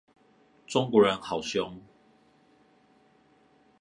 中國人好兇